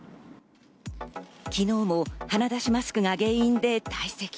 昨日も鼻出しマスクが原因で退席。